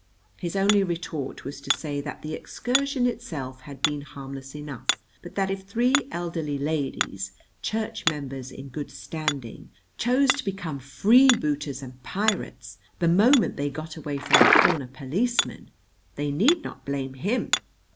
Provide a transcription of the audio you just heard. His only retort was to say that the excursion itself had been harmless enough; but that if three elderly ladies, church members in good standing, chose to become freebooters and pirates the moment they got away from a corner policeman, they need not blame him.